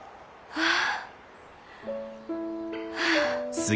ああ。